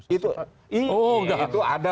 itu ada pelajaran